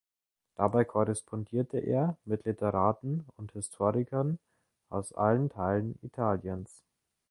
Dabei korrespondierte er mit Literaten und Historikern aus allen Teilen Italiens.